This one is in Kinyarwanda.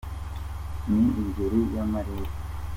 Ni ingeri y’amarere